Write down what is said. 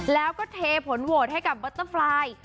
แล้วก็เทผลโหวตให้กับบอเตอร์ไฟล์